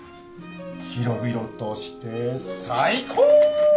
広々として最高！